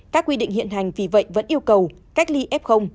các quy định hiện hành vì vậy vẫn yêu cầu cách ly f